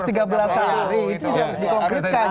itu harus di konkretkan